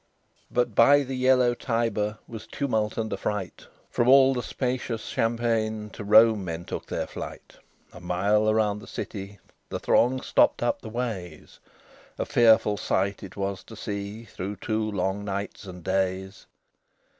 XIII But by the yellow Tiber Was tumult and affright: From all the spacious champaign To Rome men took their flight. A mile around the city, The throng stopped up the ways; A fearful sight it was to see Through two long nights and days.